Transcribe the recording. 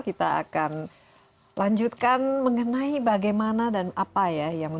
kita akan lanjutkan mengenai bagaimana dan apa ya